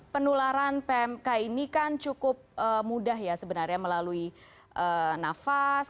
penularan pmk ini kan cukup mudah ya sebenarnya melalui nafas